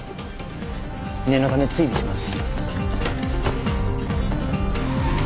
念のため追尾します。